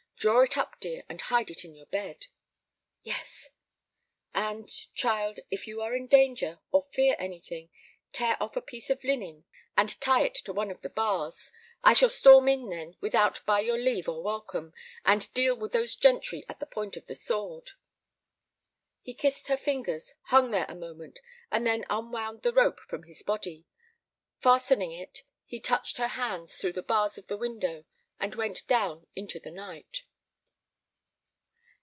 Draw it up, dear, and hide it in your bed." "Yes." "And, child, if you are in danger, or fear anything, tear off a piece of linen and tie it to one of the bars. I shall storm in then without by your leave or welcome, and deal with those gentry at the point of the sword." He kissed her fingers, hung there a moment, and then unwound the rope from about his body. Fastening it, he touched her hands through the bars of the window and went down into the night.